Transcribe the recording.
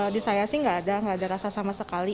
di saya sih nggak ada rasa sama sekali